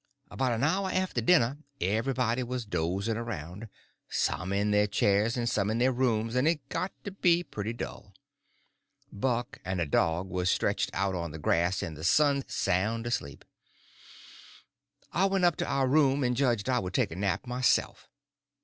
About an hour after dinner everybody was dozing around, some in their chairs and some in their rooms, and it got to be pretty dull. Buck and a dog was stretched out on the grass in the sun sound asleep. I went up to our room, and judged I would take a nap myself.